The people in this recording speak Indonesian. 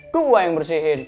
tuh gue yang bersihin